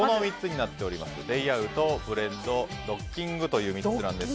レイアウト、ブレンドドッキングの３つです。